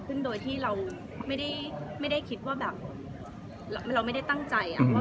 ซึ่งโดยที่เราไม่ได้คิดว่าแบบเราไม่ได้ตั้งใจ